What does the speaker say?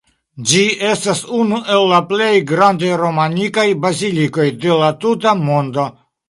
Ĝi estas unu el la plej grandaj romanikaj bazilikoj de la tuta mondo.